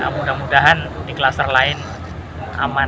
mudah mudahan di kluster lain aman